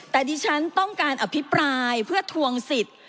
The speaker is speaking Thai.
แต่ดิฉันต้องการอภิปรายเพื่อทวงสิทธิ์